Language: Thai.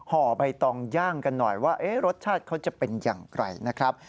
ห่อใบตองย่างกันหน่อยว่ารสชาติเขาจะเป็นอย่างไรนะครับ